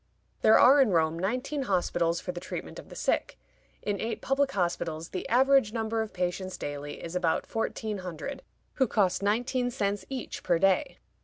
There are in Rome nineteen hospitals for the treatment of the sick. In eight public hospitals the average number of patients daily is about fourteen hundred, who cost nineteen cents each per day.